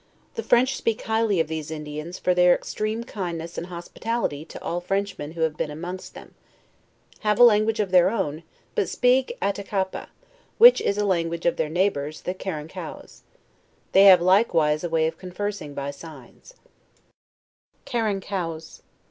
The French speak highly of these Indians for their ex treme kindness and hospitality to all Frenchmen who have iKfen amongst them: have a language of their own, but speak Attakapa, which is a language of their neighbors the Ca_ rankouas; they have likewise a way of conversing by signs t CARANKOTJAS.